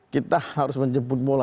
kita harus menjemput bola